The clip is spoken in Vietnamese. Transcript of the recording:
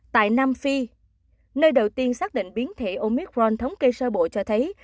tại nam phi nơi đầu tiên xác định biến thể omicron thống kê sơ bộ cho thấy